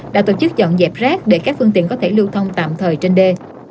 đã tổ chức dọn dẹp rác để các phương tiện có thể lưu thông tạm thời trên đê